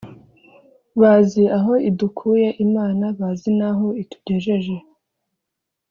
Bazi aho idukuye (Imana) bazi naho itugejeje